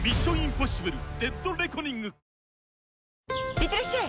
いってらっしゃい！